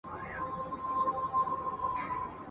تش له بګړیو له قلمه دی، بېدیا کلی دی !.